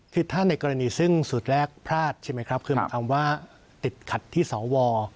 คือถ้าในกรณีซึ่งสูตรแรกพลาดใช่ไหมครับคือหมายความว่าติดขัดที่สว